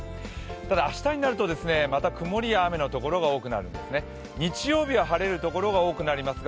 ただ明日になると、また曇りや雨の所が多くなります。